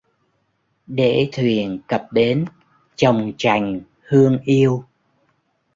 Để thuyền cập bến chòng trành hương yêu